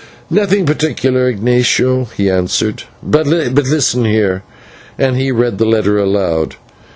"Nothing particular, Ignatio," he answered; "but listen here." And he read the letter aloud.